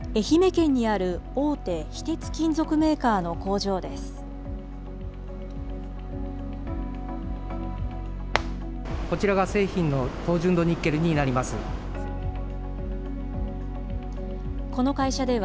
愛媛県にある大手非鉄金属メーカーの工場です。